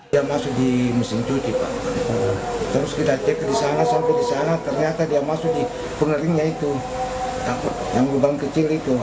dia masuk di mesin cuci pak terus kita cek di sana sampai di sana ternyata dia masuk di pengeringnya itu yang lubang kecil itu